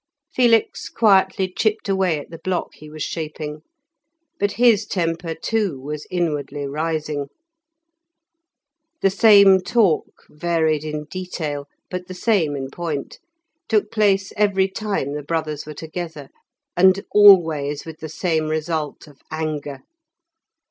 Felix quietly chipped away at the block he was shaping, but his temper, too, was inwardly rising. The same talk, varied in detail, but the same in point, took place every time the brothers were together, and always with the same result of anger.